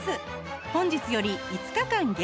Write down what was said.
本日より５日間限定